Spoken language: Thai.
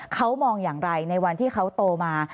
เขามองอย่างไรในวันที่เขาโตมา